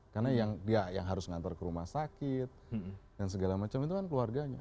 karena yang harus mengantar ke rumah sakit dan segala macam itu kan keluarganya